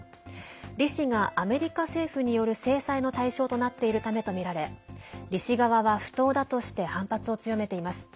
李氏がアメリカ政府による制裁の対象となっているためとみられ李氏側は、不当だとして反発を強めています。